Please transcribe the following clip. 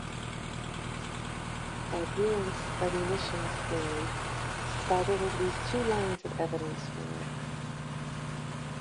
Adherents of emission theory cited at least two lines of evidence for it.